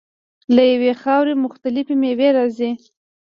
له یوې خاورې مختلفې میوې راځي.